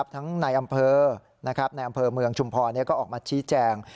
ในอำเภอในอำเภอเมืองชุมพรก็ออกมาชี้แจง